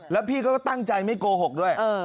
แล้วพี่ก็ตั้งใจไม่โกหกด้วย